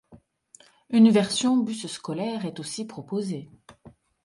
Une version bus scolaire est aussi proposée.